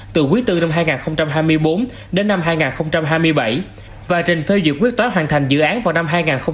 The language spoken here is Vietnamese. từ quý iv năm hai nghìn hai mươi bốn đến năm hai nghìn hai mươi bảy và trình phê duyệt quyết toán hoàn thành dự án vào năm hai nghìn hai mươi